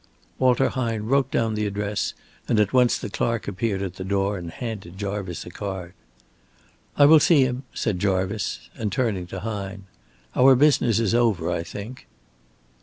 Walter Hine wrote down the address, and at once the clerk appeared at the door and handed Jarvice a card. "I will see him," said Jarvice, and turning to Hine: "Our business is over, I think."